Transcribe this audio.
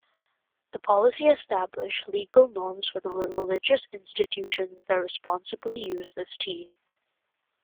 The policy established legal norms for the religious institutions that responsibly use this tea.